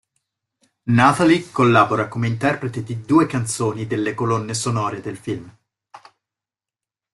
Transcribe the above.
Nathalie collabora come interprete di due canzoni delle colonne sonore del film.